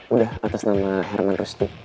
udah atas nama herman rusdi